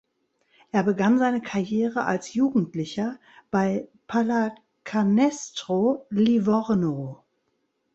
Er begann seine Karriere als Jugendlicher bei Pallacanestro Livorno.